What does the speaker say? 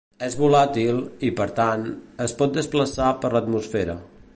És volàtil i, per tant, es pot desplaçar per l'atmosfera.